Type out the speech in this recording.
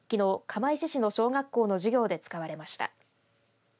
釜石市の小学校の授業で使われました。